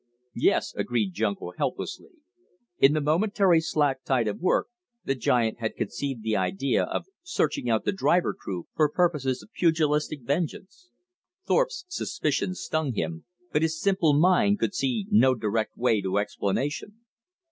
"Yes," agreed Junko helplessly. In the momentary slack tide of work, the giant had conceived the idea of searching out the driver crew for purposes of pugilistic vengeance. Thorpe's suspicions stung him, but his simple mind could see no direct way to explanation.